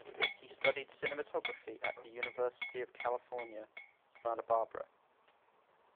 He studied cinematography at the University of California, Santa Barbara.